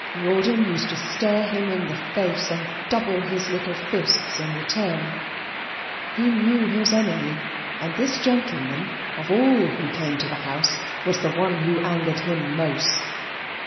Rawdon used to stare him in the face and double his little fists in return. He knew his enemy, and this gentleman, of all who came to the house, was the one who angered him most.